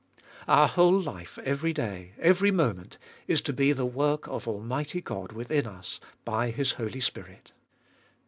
3. Our whole life every day, every moment, is to be the work of Almighty God within us by His holy Spirit.